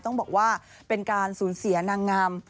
ต้องบอกว่าเป็นการสูญเสียนางงาม